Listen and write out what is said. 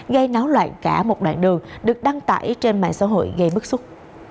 gây náo loạn cả một đoạn đường được đăng tải trên mạng xã hội gây bức xúc